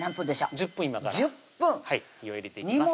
１０分今から火を入れていきます